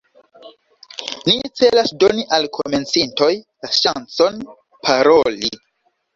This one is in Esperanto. Ni celas doni al komencintoj la ŝancon paroli.